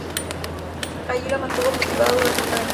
Allí la mantuvo cautiva durante un año.